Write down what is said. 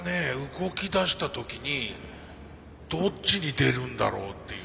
動きだした時にどっちに出るんだろうっていう。